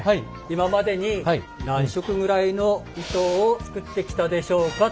今までに何色ぐらいの糸を作ってきたでしょうか。